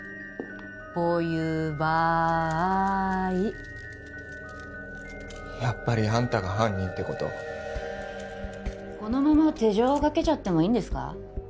こういう場合やっぱりあんたが犯人ってことこのまま手錠をかけちゃってもいいんですか？